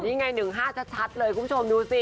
นี่ไง๑๕ชัดเลยคุณผู้ชมดูสิ